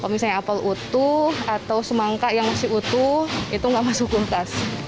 misalnya apel utuh atau semangka yang masih utuh itu nggak masuk kulkas